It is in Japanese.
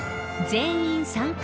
全員参加。